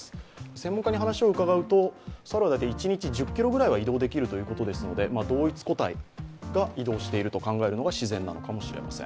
専門家に話を伺うと猿は一日１０ｋｍぐらい移動できるということですので、同一個体が移動していると考えるのが自然なのかもしれません。